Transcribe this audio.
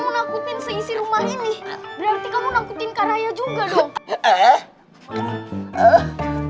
kalau kamu nakutin seisi rumah ini berarti kamu nakutin karaya juga dong